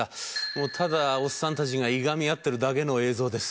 もうただおっさんたちがいがみ合ってるだけの映像です。